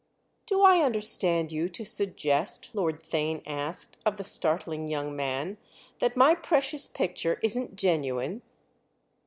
"Do I understand you to suggest," Lord Theign asked of the startling young man, "that my precious picture isn't genuine?"